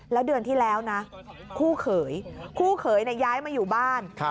แล้วเดือนที่แล้วนะคู่เขยคู่เขยย้ายมาอยู่บ้าน